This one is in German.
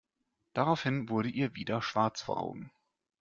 Daraufhin wurde ihr wieder schwarz vor Augen.